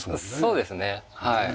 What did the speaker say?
そうですねはい。